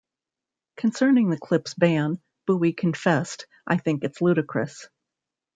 Concerning the clip's ban, Bowie confessed, I think it's ludicrous.